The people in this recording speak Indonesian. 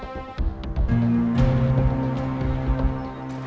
kata bapak kalau harunya mas above seeds nafung ya